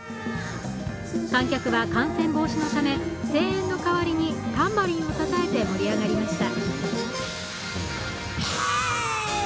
観客は感染防止のため声援の代わりにタンバリンをたたいて盛り上がりました。